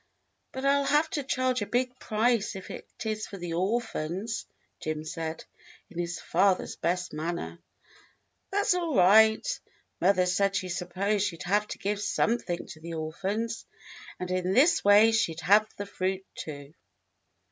"But I'll have to charge a big price if it is for the orphans," Jim said, in his father's best manner. "That's all right. Mother said she supposed she 'd have to give something to the orphans, and in this way she'd have the fruit, too."